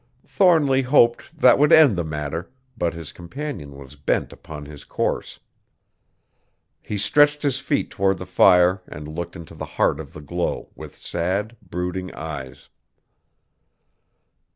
Thornly hoped that would end the matter, but his companion was bent upon his course. He stretched his feet toward the fire and looked into the heart of the glow, with sad, brooding eyes.